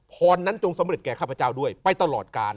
พรนั้นจงสำเร็จแก่ข้าพเจ้าด้วยไปตลอดกาล